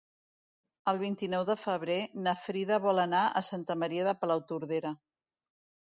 El vint-i-nou de febrer na Frida vol anar a Santa Maria de Palautordera.